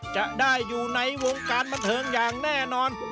จะได้อยู่ในวงการบันเทิงอย่างแน่นอน